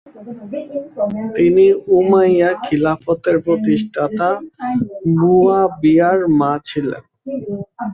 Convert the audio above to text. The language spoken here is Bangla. তিনি উমাইয়া খিলাফতের প্রতিষ্ঠাতা মুয়াবিয়ার মা ছিলেন।